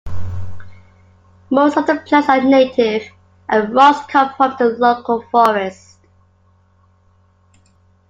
Most of the plants are native, and rocks come from the local forest.